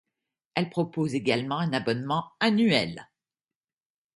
Elle propose également un abonnement annuel.